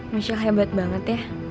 nisha hebat banget ya